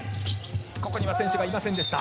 ここには選手がいませんでした。